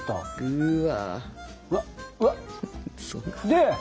うわ！